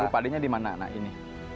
nah rupadinya dimana nah ini